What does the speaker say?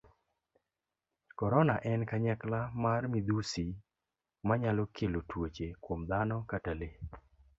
Korona en kanyakla mar midhusi manyalo kelo tuoche kuom dhano kata lee.